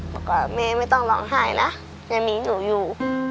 บอกว่าแม่ไม่ต้องร้องไห้นะยังมีหนูอยู่